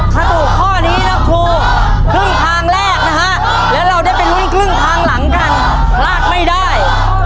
ถ้าถูกข้อนี้แล้วครูครึ่งทางแรกนะฮะแล้วเราได้ไปลุ้นครึ่งทางหลังกันพลาดไม่ได้